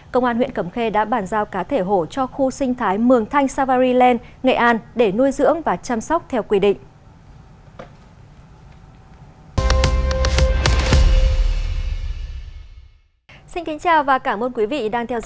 công an huyện cẩm khê đã bàn giao cá thể hổ cho khu sinh thái mường thanh savari land nghệ an để nuôi dưỡng và chăm sóc theo quy định